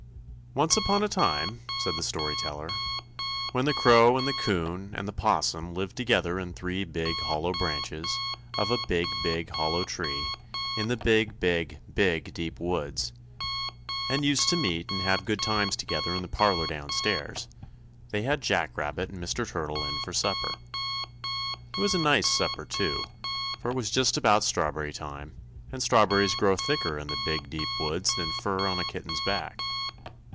] Once upon a time, said the Story Teller, when the Crow and the 'Coon and the 'Possum lived together in three big, hollow branches of a big big, hollow tree in the big, big, Big Deep Woods, and used to meet and have good times together in the parlor down stairs, they had Jack Rabbit and Mr. Turtle in for supper. It was a nice supper, too, for it was just about strawberry time, and strawberries grow thicker in the Big Deep Woods than fur on a kitten's back.